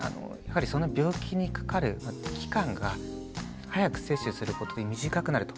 その病気にかかる期間が早く接種することで短くなると。